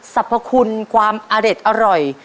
สรรพคุณความอเด็ดอร่อย